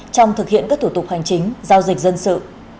trong thực hiện các thủ tục hành chính giao dịch dân sự